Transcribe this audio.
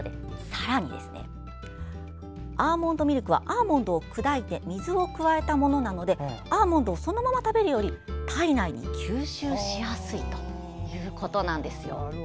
さらにアーモンドミルクはアーモンドを砕いて水を加えたものなのでアーモンドをそのまま食べるより体内に吸収しやすいということなんです。